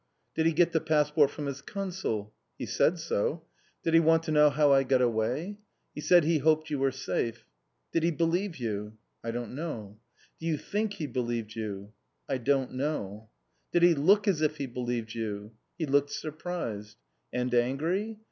"Did he get the passport from his Consul?" "He said so." "Did he want to know how I got away?" "He said he hoped you were safe." "Did he believe you?" "I don't know." "Do you think he believed you?" "I don't know." "Did he look as if he believed you?" "He looked surprised." "And angry?"